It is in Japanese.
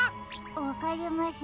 わかりません。